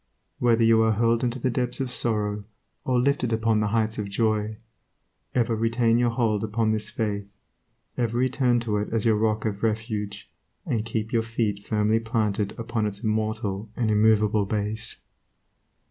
Whether you are hurled into the depths of sorrow or lifted upon the heights of joy, ever retain your hold upon this faith, ever return to it as your rock of refuge, and keep your feet firmly planted upon its immortal and immovable base.